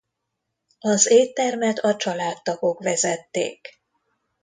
Az éttermet a családtagok vezették.